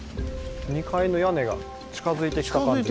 ２階の屋根が近づいてきた感じが。